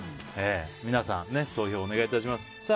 皆さん、投票お願いいたします。